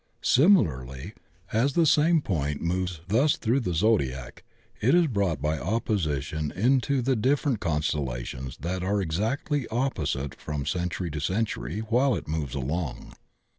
Similarly as the same point moves thus through the Zodiac it is brought by opposition into the different constellations that are exactly opposite from century to century while it moves along.